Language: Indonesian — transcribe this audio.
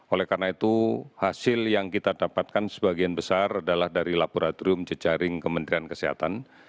oleh karena itu hasil yang kita dapatkan sebagian besar adalah dari laboratorium jejaring kementerian kesehatan